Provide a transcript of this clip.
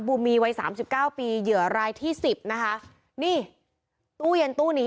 ูมีวัยสามสิบเก้าปีเหยื่อรายที่สิบนะคะนี่ตู้เย็นตู้นี้